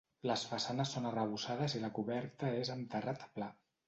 Les façanes són arrebossades i la coberta és amb terrat pla.